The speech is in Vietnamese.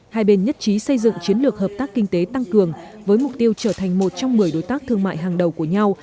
hai bên nhất trí xây dựng chiến lược hợp tác kinh tế tăng cường với mục tiêu trở thành một trong một mươi đối tác thương mại hàng đầu của nhau